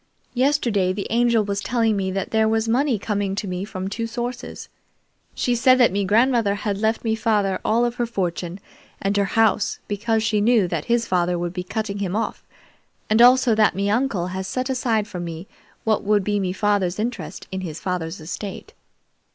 "Yesterday the Angel was telling me that there was money coming to me from two sources. She said that me grandmother had left me father all of her fortune and her house, because she knew that his father would be cutting him off, and also that me uncle had set aside for me what would be me father's interest in his father's estate.